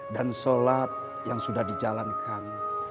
dan sholat yang sudah dijalankan